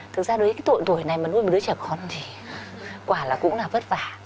thực ra đối với cái độ tuổi này mà nuôi một đứa trẻ con thì quả là cũng là vất vả